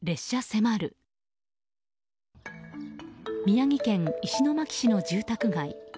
宮城県石巻市の住宅街。